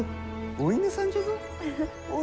お犬さんじゃ。